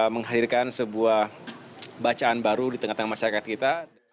menghadirkan sebuah bacaan baru di tengah tengah masyarakat kita